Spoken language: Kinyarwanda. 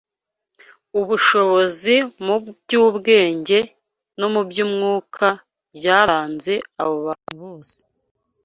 ubushobozi mu by’ubwenge no mu by’umwuka byaranze abo bantu bose